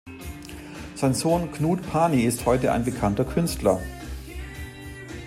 Sein Sohn Knut Pani ist heute ein bekannter Künstler.